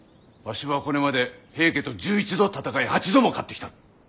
わしはこれまで平家と１１度戦い８度も勝ってきた！